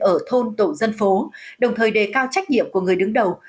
ở thôn tổ dân phố đồng thời đề cao trách nhiệm của người đứng đầu